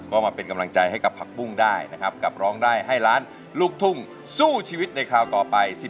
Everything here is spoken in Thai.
ก็มาเป็นกำลังใจให้กับผักปุ้งได้นะครับกับร้องได้ให้ล้านลูกทุ่งสู้ชีวิตในคราวต่อไป